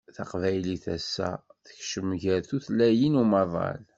Taqbaylit ass-a tekcem gar tutlayin n umaḍal